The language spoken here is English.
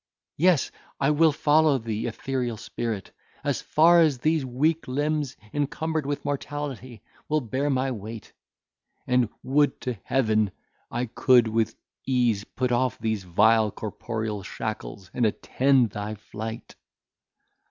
Yes, I will follow thee, ethereal spirit, as far as these weak limbs, encumbered with mortality, will bear my weight; and, would to Heaven! I could, with ease, put off these vile corporeal shackles, and attend thy flight."